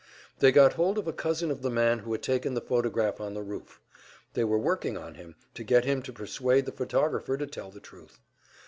They got hold of a cousin of the man who had taken the photograph on the roof; they were working on him, to get him to persuade the photographer to tell the truth.